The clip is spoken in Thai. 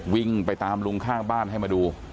วิ่งไปตามลุงข้างบ้านให้มาดู